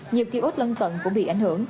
nhiều kỳ ốt lân tận cũng bị ảnh hưởng